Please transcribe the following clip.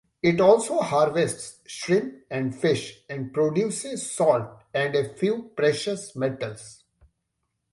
It also harvests shrimp and fish, and produces salt, and a few precious metals.